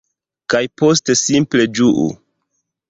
Kaj poste simple ĝuu!